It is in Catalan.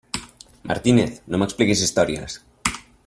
Martínez, no m'expliquis històries!